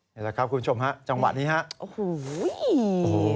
เห็นแล้วครับคุณผู้ชมครับจังหวะนี้ครับ